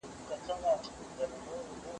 په غرونو کي ژوند اسانه نه دی.